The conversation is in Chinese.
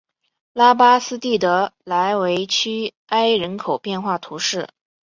拉巴斯蒂德莱韦屈埃人口变化图示